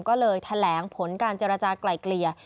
ก็เลยแถลงผลการเจรจากลายเกลี่ย